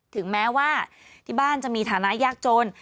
ถึงแม้ว่าที่บ้านจะมีฐานะยากจน